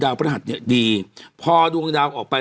พระหัสเนี่ยดีพอดวงดาวออกไป